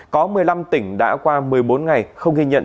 có một mươi năm tỉnh đã qua một mươi bốn ngày không ghi nhận